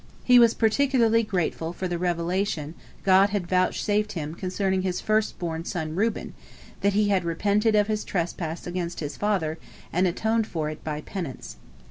" He was particularly grateful for the revelation God had vouchsafed him concerning his first born son Reuben, that he had repented of his trespass against his father, and atoned for it by penance.